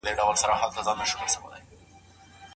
د ملکیت حق خلګو ته مالي خوندیتوب ورکوي.